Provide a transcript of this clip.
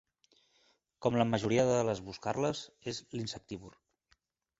Com la majoria de les boscarles, és insectívor.